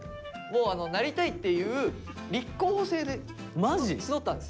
もうなりたいっていう立候補制で募ったんです。